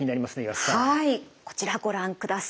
はいこちらご覧ください。